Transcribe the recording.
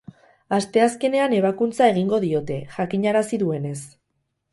Asteazkenean ebakuntza egingo diote, jakinarazi duenez.